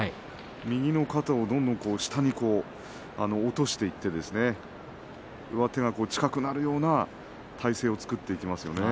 右の肩をどんどん下に落としていって上手が近くなるような体勢を作っていきますね。